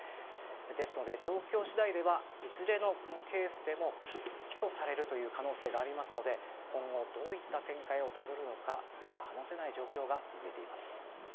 ですので状況次第ではいずれのケースでも起訴される可能性がありますので今後どういった展開をたどるのか目が離せない状況が続いています。